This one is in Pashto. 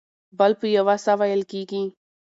بل په یو ساه وېل کېږي.